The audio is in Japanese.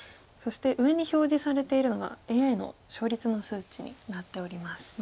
そして上に表示されているのがＡＩの勝率の数値になっております。